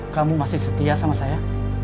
kamu masih setia sama saya